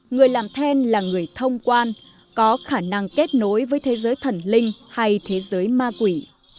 người làm then là người thông quan có khả năng kết nối với thế giới thần linh hay thế giới ma quỷ